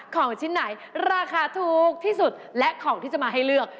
ของชิ้นไหนราคาถูกที่สุดและของที่จะมาให้เลือก